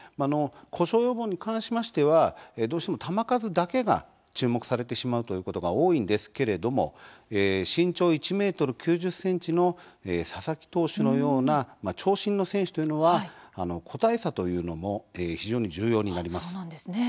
故障予防に関しましてはどうしても球数だけが注目されてしまうということが多いんですけれども身長１ｍ９０ｃｍの佐々木投手のような長身の選手というのは個体差というのも非常に重要になります。